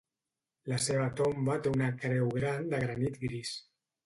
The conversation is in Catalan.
La seva tomba té una creu gran de granit gris.